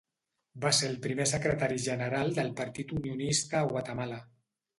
Va ser el primer secretari general del Partit Unionista a Guatemala.